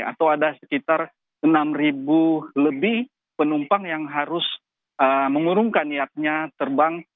atau ada sekitar enam lebih penumpang yang harus mengurungkan niatnya terbang